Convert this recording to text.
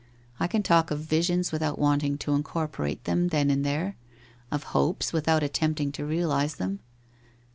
I can talk of visions without wanting to incorporate them then and there, of hopes without attempting to realize them.'